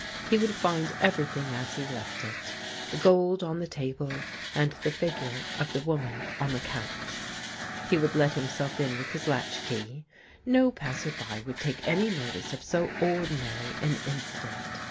He would find everything as he left it — the gold on the table and the figure of the woman on the couch. He would let himself in with his latch key. No passer by would take any notice of so ordinary an incident.